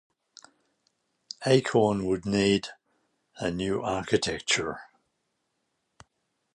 Acorn would need a new architecture.